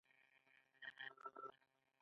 د میرمنو کار د زدکړو دوام سبب ګرځي.